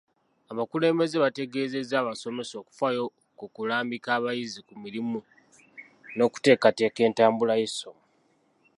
Abakulembeze baategeeza abasomesa okufaayo ku kulambika abayizi ku mirimu n'okuteekateeka entabula y'essomo.